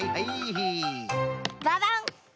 ババン！